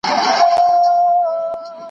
که ښوونکی زده کوونکي وهڅوي، علاقه نه کمیږي.